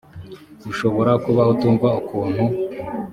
ushobora kuba utumva ukuntu